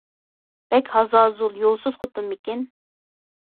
بەك ھازازۇل، يولسىز خوتۇنمىكىن.